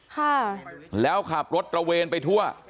ค่ะแล้วขับรถตระเวนไปทั่ว